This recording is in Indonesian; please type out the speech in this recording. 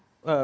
tapi itu kan